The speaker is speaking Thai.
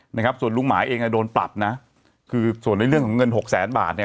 นะครับส่วนลุงหมาเองอ่ะโดนปรับนะคือส่วนในเรื่องของเงินหกแสนบาทเนี่ย